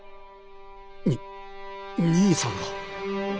にっ兄さんが？